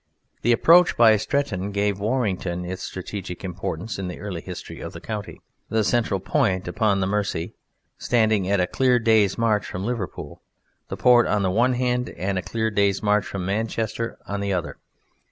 The approach by Stretton gave Warrington its strategic importance in the early history of the county; Warrington, the central point upon the Mersey, standing at a clear day's march from Liverpool, the port on the one hand, and a clear day's march from Manchester on the other.